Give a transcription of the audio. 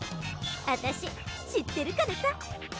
あたししってるからさ。